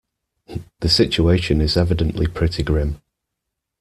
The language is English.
The situation is evidently pretty grim.